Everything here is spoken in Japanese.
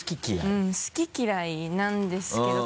うん好き嫌いなんですけど。